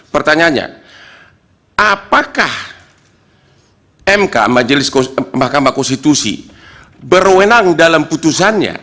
pertanyaannya apakah mk majelis mahkamah konstitusi berwenang dalam putusannya